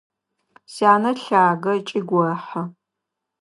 Сянэ лъагэ ыкӏи гохьы.